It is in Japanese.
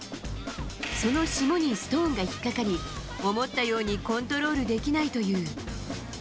その霜にストーンが引っ掛かり、思ったようにコントロールできないという。